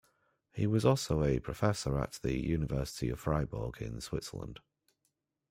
He was also a Professor at the University of Fribourg in Switzerland.